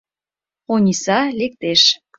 Ониса лектеш.